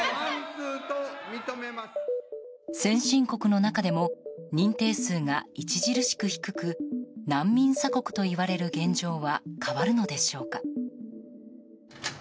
先進国の中でも認定数が著しく低く難民鎖国といわれる現状は変わるのでしょうか。